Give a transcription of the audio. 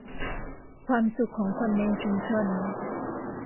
ความสุขของคนในชุมชน